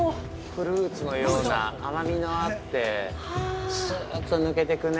◆フルーツのような甘みがあってすうっと抜けていくね。